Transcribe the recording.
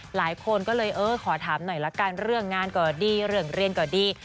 หลายคนก็เลยเออขอถามหน่อยละกันเรื่องงานก็ดีเรื่องเรียนก็ดี